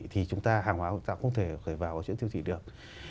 thì chúng ta không thể khởi vào các chuỗi siêu thị được